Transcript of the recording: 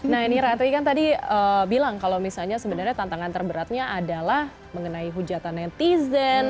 nah ini ratri kan tadi bilang kalau misalnya sebenarnya tantangan terberatnya adalah mengenai hujatan netizen